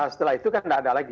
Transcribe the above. setelah itu kan tidak ada lagi